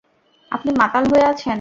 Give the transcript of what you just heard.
আপনি মাতাল হয়ে আছেন।